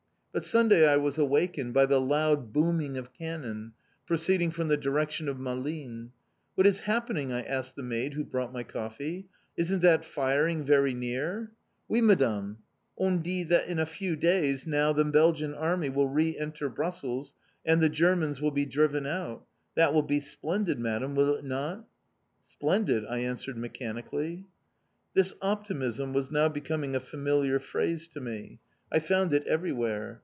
But Sunday I was awakened by the loud booming of cannon, proceeding from the direction of Malines. "What is happening?" I asked the maid who brought my coffee "Isn't that firing very near?" "Oui, Madam! On dit that in a few days now the Belgian Army will re enter Brussels, and the Germans will be driven out. That will be splendid, Madam, will it not?" "Splendid," I answered mechanically. This optimism was now becoming a familiar phrase to me. I found it everywhere.